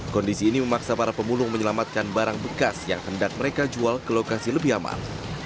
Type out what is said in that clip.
kondisi ini memaksa para pemulung menyelamatkan barang bekas yang hendak mereka jual ke lokasi lebih aman